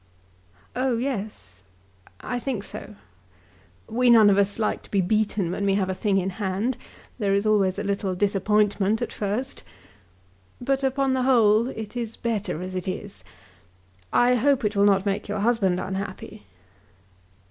"Oh yes; I think so. We none of us like to be beaten when we have taken a thing in hand. There is always a little disappointment at first. But, upon the whole, it is better as it is. I hope it will not make your husband unhappy."